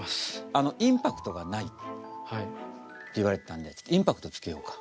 あのインパクトがないって言われてたんでインパクトつけようか。